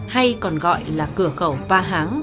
hay còn gọi là cửa khẩu va háng